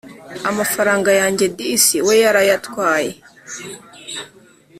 amafaranga yanjye disi weyarayatwaye